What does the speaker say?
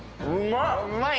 うまい？